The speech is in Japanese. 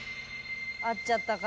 会っちゃったか。